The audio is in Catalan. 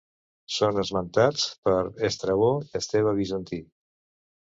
Són esmentats per Estrabó i Esteve Bizantí.